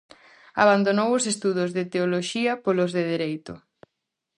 Abandonou os estudos de teoloxía polos de dereito.